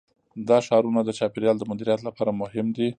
دا ښارونه د چاپیریال د مدیریت لپاره مهم دي.